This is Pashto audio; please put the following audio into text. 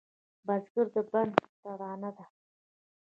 بزګر د بڼ ترانه ده